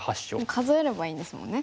数えればいいんですもんね。